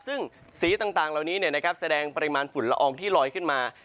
ซึ่งสีต่างเหล่านี้แสดงปริมาณฝุ่นละอองที่ลอยขึ้นมา